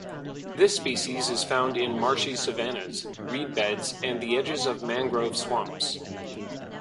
This species is found in marshy savannahs, reedbeds and the edges of mangrove swamps.